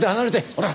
ほら。